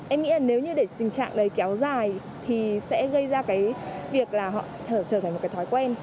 em nghĩ là nếu như để tình trạng đấy kéo dài thì sẽ gây ra cái việc là họ trở thành một cái thói quen